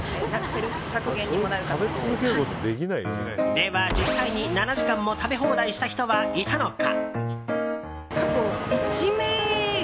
では、実際に７時間も食べ放題した人はいたのか。